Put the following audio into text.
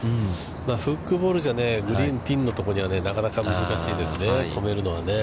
フックボールじゃ、グリーンピンのところにはなかなか難しいですね、止めるのはね。